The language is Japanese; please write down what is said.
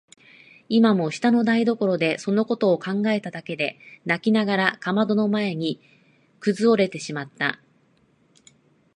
今も下の台所でそのことを考えただけで泣きながらかまどの前にくずおれてしまった。